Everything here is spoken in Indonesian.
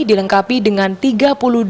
dilengkapi dengan perubahan